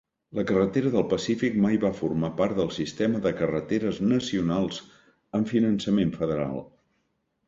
La carretera del Pacífic mai va formar part del sistema de carreteres nacionals amb finançament federal.